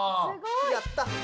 やった！